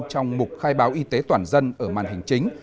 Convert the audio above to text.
trong mục khai báo y tế toàn dân ở màn hình chính